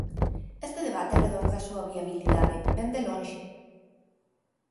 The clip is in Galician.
Este debate arredor da súa viabilidade vén de lonxe.